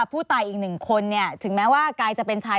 ผู้ตายอีกหนึ่งคนเนี่ยถึงแม้ว่ากายจะเป็นชาย